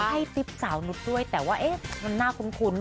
ให้ติ๊บสาวนุทด้วยแต่ว่าน่าคุ้มคุ้น